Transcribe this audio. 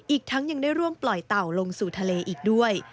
อีกทั้งยังได้ร่วมปล่อยเต่าลงสู่ทะเลอีกด้วย